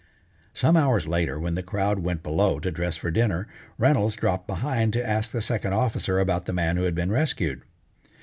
Some hours later when the crowd went below to dress for dinner, Reynolds dropped behind to ask the Second Officer about the man who had been rescued.